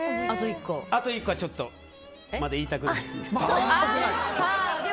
あと１個はちょっとまだ言いたくないので。